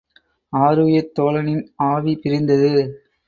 ஆருயிர்த் தோழனின் ஆவி பிரிந்தது!